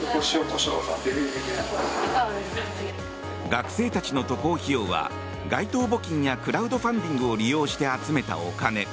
学生たちの渡航費用は街頭募金やクラウドファンディングを利用して集めたお金。